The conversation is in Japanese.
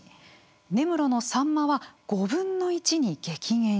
根室のサンマは５分の１に激減しています。